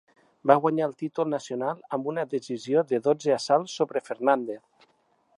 Va guanyar el títol nacional amb una decisió de dotze assalts sobre Fernández.